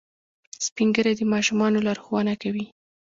سپین ږیری د ماشومانو لارښوونه کوي